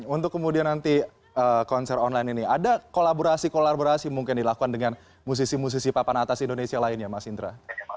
untuk kemudian nanti konser online ini ada kolaborasi kolaborasi mungkin dilakukan dengan musisi musisi papan atas indonesia lainnya mas indra